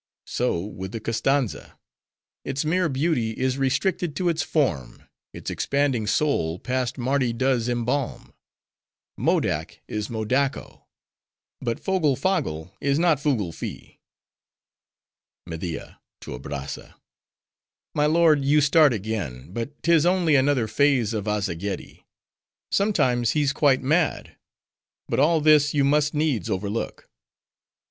So, with the Koztanza. Its mere beauty is restricted to its form: its expanding soul, past Mardi does embalm. Modak is Modako; but fogle foggle is not fugle fi. MEDIA (to Abrazza)—My lord, you start again; but 'tis only another phase of Azzageeddi; sometimes he's quite mad. But all this you must needs overlook.